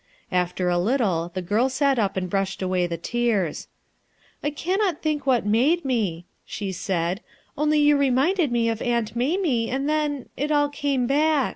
After a little the girl sat up and brushed away the tears. "I can't think what made me/' she said, "Only you reminded me of Aunt Mamie, and then— it all came back.